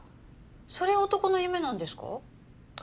それ男の夢なんですか？